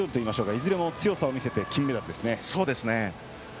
いずれも強さを見せて金メダルですね。